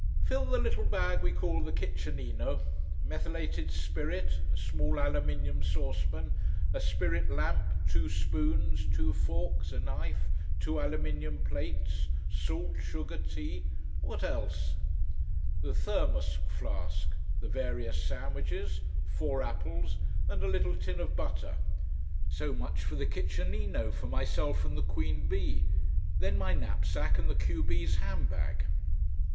Fill the little bag we call the kitchenino. Methylated spirit, a small aluminium saucepan, a spirit lamp, two spoons, two forks, a knife, two aluminium plates, salt, sugar, tea what else? The thermos flask, the various sandwiches, four apples, and a little tin of butter. So much for the kitchenino, for myself and the queen bee. Then my knapsack and the q b's handbag.